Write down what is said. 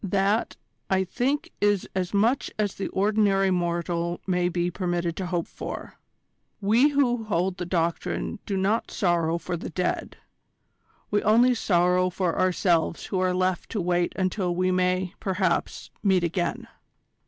That, I think is as much as the ordinary mortal may be permitted to hope for. We who hold the Doctrine do not sorrow for the dead: we only sorrow for ourselves who are left to wait until we may, perhaps, meet again."